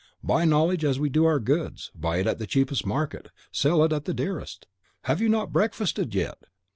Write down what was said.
Buy knowledge as we do our goods; buy it at the cheapest market, sell it at the dearest. Have you not breakfasted yet?"